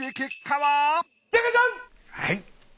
はい。